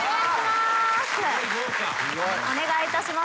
すごい。お願いいたします。